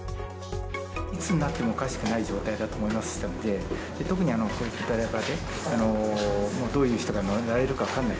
いつなってもおかしくない状態だと思いましたんで、特にこういった中で、どういう人が乗られるか分からない。